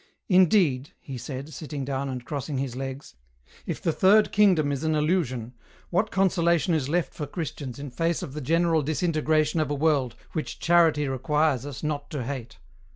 Indeed," he said, sitting down and crossing his legs, "if the third kingdom is an illusion, what consolation is left for Christians in face of the general disintegration of a world which charity requires us not to hate?"